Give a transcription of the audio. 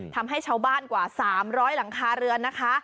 ทำให้ชาวบ้านกว่า๓๐๐หลังคาเรือนนะคะ